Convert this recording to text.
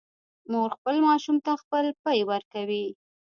مور خپل ماشوم ته خپل پی ورکوي